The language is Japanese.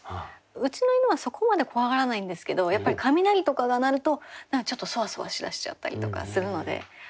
うちの犬はそこまで怖がらないんですけどやっぱり雷とかが鳴ると何かちょっとソワソワしだしちゃったりとかするので。